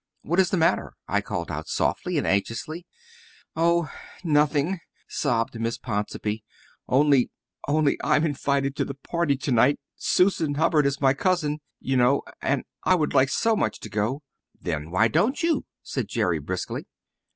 "What is the matter?" I called out softly and anxiously. "Oh, nothing," sobbed Miss Ponsonby, "only only I'm invited to the party tonight Susan Hubbard is my cousin, you know and I would like so much to go." "Then why don't you?" said Jerry briskly.